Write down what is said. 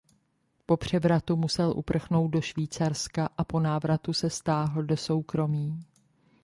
Po převratu musel uprchnout do Švýcarska a po návratu se stáhl do soukromí.